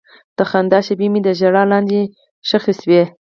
د خندا شېبې مې د ژړا لاندې ښخې شوې.